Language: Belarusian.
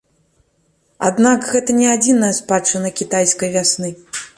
Аднак гэта не адзіная спадчына кітайскай вясны.